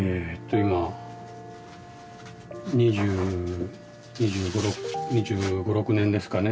今２５２６年ですかね